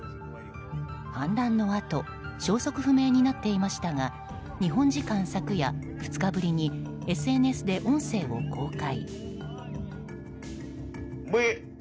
反乱のあと消息不明になっていましたが日本時間昨夜、２日ぶりにＳＮＳで音声を公開。